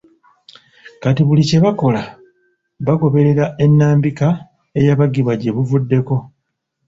Kati buli kye bakola bagoberera ennambika eyabagibwa gye buvuddeko